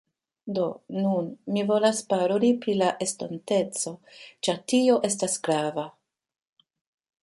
Do, nun mi volas paroli pri la estonteco ĉar tio estas grava